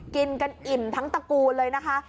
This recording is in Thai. กินกันอิ่มทั้งตระกูลเลยนะคะ